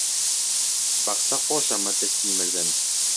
بە قسە خۆشە مەترسیی مردن